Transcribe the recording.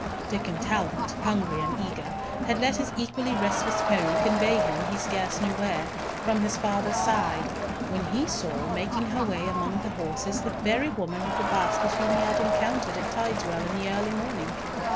Diccon Talbot, hungry and eager, had let his equally restless pony convey him, he scarce knew where, from his father's side, when he saw, making her way among the horses, the very woman with the basket whom he had encountered at Tideswell in the early morning.